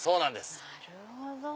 なるほど。